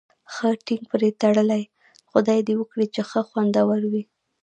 ښه ټینګ پرې تړلی، خدای دې وکړي چې ښه خوندور وي.